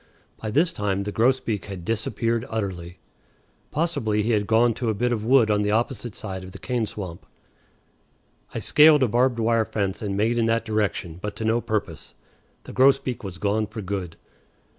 By this time the grosbeak had disappeared utterly. Possibly he had gone to a bit of wood on the opposite side of the cane swamp. I scaled a barbed wire fence and made in that direction, but to no purpose. The grosbeak was gone for good.